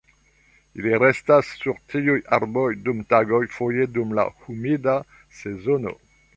Ili restas sur tiuj arboj dum tagoj foje dum la humida sezono.